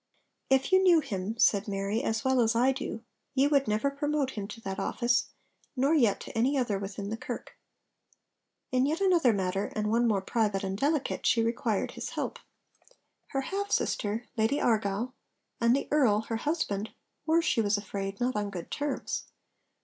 'If you knew him,' said Mary, 'as well as I do, ye would never promote him to that office, nor yet to any other within the Kirk.' In yet another matter, and one more private and delicate, she required his help. Her half sister, Lady Argyll, and the Earl, her husband, were, she was afraid, not on good terms.